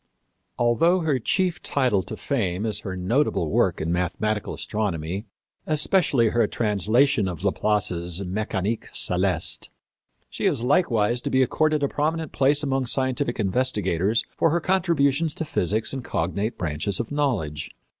Although her chief title to fame is her notable work in mathematical astronomy, especially her translation of Laplace's Méchanique Céleste, she is likewise to be accorded a prominent place among scientific investigators for her contributions to physics and cognate branches of knowledge.